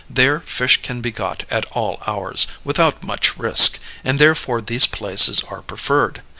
There fish can be got at all hours, without much risk, and therefore these places are preferred.